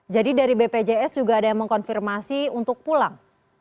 jadi dari bpjs juga ada yang mengkonfirmasi untuk pulang